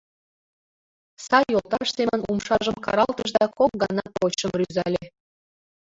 Сай йолташ семын умшажым каралтыш да кок гана почшым рӱзале.